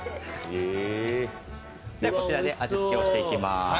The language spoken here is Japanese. こちらで味付けをしていきます。